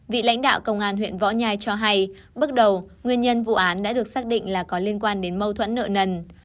vị lãnh đạo công an huyện võ nhai cho hay bước đầu nguyên nhân vụ án đã được xác định là có liên quan đến mâu thuẫn nợ nần